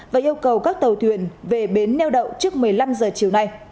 và yêu cầu các tàu thuyền về bến neo đậu trước một mươi năm h chiều nay